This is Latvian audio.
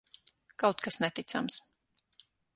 Kaut kas neticams.